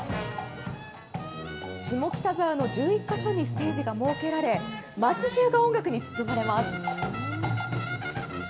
下北沢の１１か所にステージが設けられ、町じゅうが音楽に包まれます。